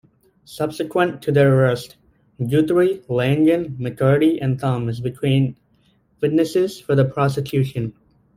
Subsequent to their arrest, Guthrie, Langan, McCarthy and Thomas became witnesses for the prosecution.